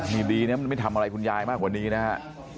นี่ดีนะมันไม่ทำอะไรคุณยายมากกว่านี้นะฮะ